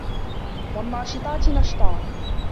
وَالنّاشِطاتِ نَشطًا